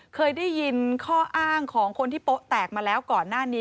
เคยได้ยินข้ออ้างของคนที่โป๊ะแตกมาแล้วก่อนหน้านี้